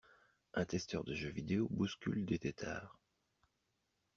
Un testeur de jeux vidéo bouscule des têtards.